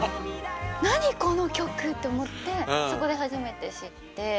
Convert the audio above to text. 「なにこの曲！」って思ってそこで初めて知って。